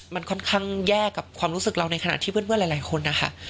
มันค่อนข้างแย่กับความรู้สึกเราในขณะที่เพื่อนหลายคนนะคะ